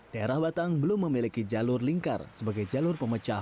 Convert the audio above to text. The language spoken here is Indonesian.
daerah batang belum memiliki jalur lingkar sebagai jalur pemecah